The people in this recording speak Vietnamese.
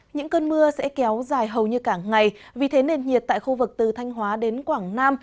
những cơn mưa sẽ kéo dài hầu như cả ngày vì thế nền nhiệt tại khu vực từ thanh hóa đến quảng nam